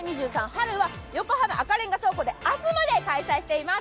春は横浜赤レンガ倉庫で明日まで開催しています。